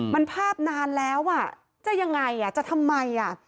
มันภาพนานแล้วอ่ะจะยังไงจะทำไม